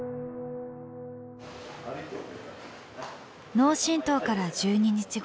脳震とうから１２日後。